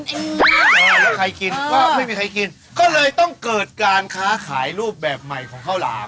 แล้วใครกินก็ไม่มีใครกินก็เลยต้องเกิดการค้าขายรูปแบบใหม่ของข้าวหลาม